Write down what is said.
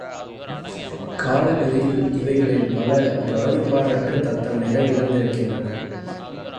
காலகதியில் இவைகளில் பல கவனிப்பாரற்று தத்தம் நிலை இழந்திருக்கின்றன.